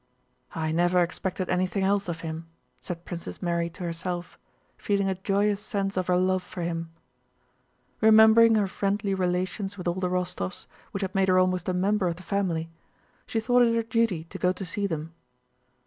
"I never expected anything else of him," said Princess Mary to herself, feeling a joyous sense of her love for him. Remembering her friendly relations with all the Rostóvs which had made her almost a member of the family, she thought it her duty to go to see them.